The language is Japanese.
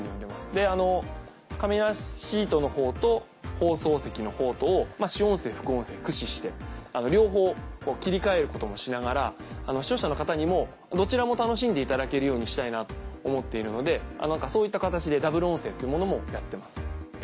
で「かめなシート」の方と放送席の方とを主音声副音声駆使して両方切り替えることもしながら視聴者の方にもどちらも楽しんでいただけるようにしたいなと思っているのでそういった形でダブル音声っていうものもやってます。